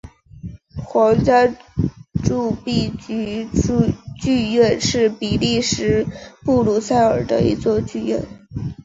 皇家铸币局剧院是比利时布鲁塞尔的一座剧院。